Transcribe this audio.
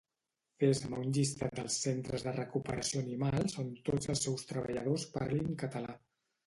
Fes-me llistat dels Centres de Recuperació Animals on tots els seus treballadors parlin català